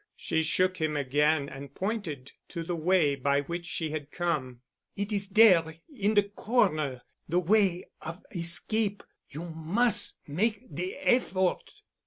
She shook him again and pointed to the way by which she had come. "It is dere—in de corner—the way of escape. You mus' make de effort."